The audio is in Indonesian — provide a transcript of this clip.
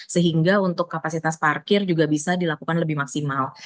sehingga untuk kapasitas parkir juga bisa dilakukan lebih maksimal